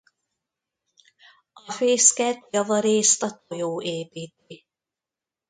A fészket javarészt a tojó építi.